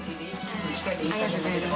ありがとうございます。